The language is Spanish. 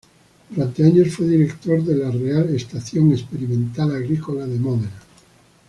Durante años fue director de la "Real Estación Experimental Agrícola de Módena".